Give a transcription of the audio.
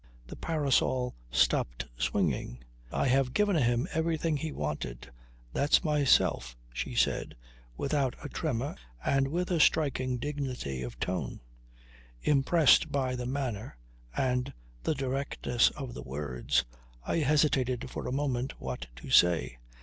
The parasol stopped swinging. "I have given him what he wanted that's myself," she said without a tremor and with a striking dignity of tone. Impressed by the manner and the directness of the words, I hesitated for a moment what to say.